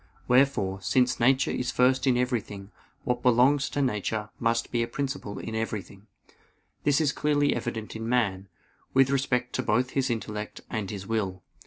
Wherefore, since nature is first in everything, what belongs to nature must be a principle in everything. This is clearly evident in man, with respect to both his intellect and his will.